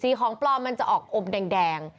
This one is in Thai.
ของปลอมมันจะออกอมแดง